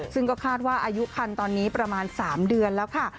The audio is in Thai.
ซึ่งก็คาดว่าอายุคันตอนนี้ประมาณ๓เดือนแล้วค่ะ